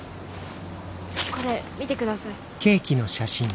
これ見て下さい。